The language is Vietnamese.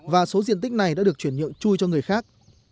và số diện tích này đã được chuyển nhượng chui cho người khác